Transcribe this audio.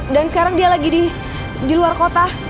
dan sekarang dia lagi di luar kota